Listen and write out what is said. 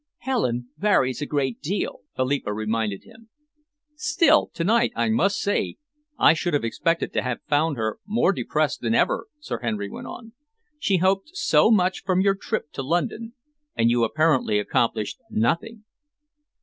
"Helen varies a great deal," Philippa reminded him. "Still, to night, I must say, I should have expected to have found her more depressed than ever," Sir Henry went on. "She hoped so much from your trip to London, and you apparently accomplished nothing."